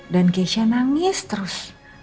dan keisha nangis terus